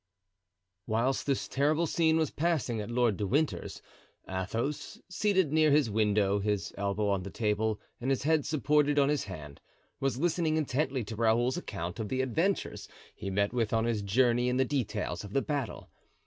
Whilst this terrible scene was passing at Lord de Winter's, Athos, seated near his window, his elbow on the table and his head supported on his hand, was listening intently to Raoul's account of the adventures he met with on his journey and the details of the battle.